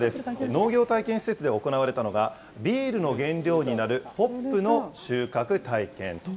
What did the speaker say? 農業体験施設で行われたのが、ビールの原料になるホップの収穫体験。